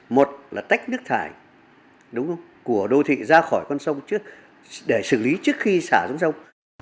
một là tách nước thải của đô thị ra khỏi con sông để xử lý trước khi xả xuống sông